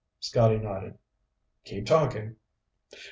Scotty nodded. "Keep talking."